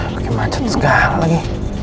lagi macet sekali